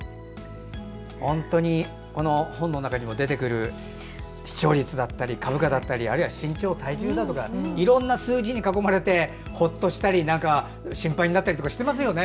本当に本の中にも出てくる視聴率だったり株価だったりあるいは身長、体重だとかいろんな数字に囲まれてほっとしたり心配になったりしますよね。